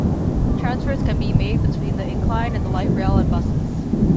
Transfers can be made between the incline and the light rail and buses.